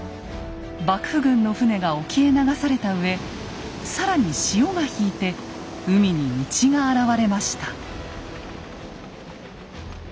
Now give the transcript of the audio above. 幕府軍の船が沖へ流されたうえ更に潮が引いて海に道が現れました。